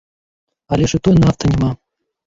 Але ж і той нафты няма!